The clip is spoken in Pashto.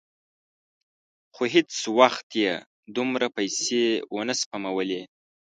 خو هېڅ وخت یې دومره پیسې ونه سپمولې.